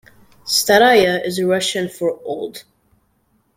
"Staraya" is Russian for "Old".